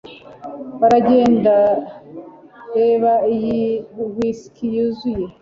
Baragenda Reba iyi husky yuzuye